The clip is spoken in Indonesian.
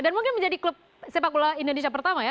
dan mungkin menjadi klub sepak bola indonesia pertama ya